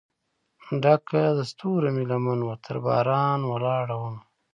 ډکه دستورومې لمن وه ترباران ولاړ مه